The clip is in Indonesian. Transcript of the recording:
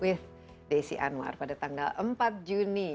with desi anwar pada tanggal empat juni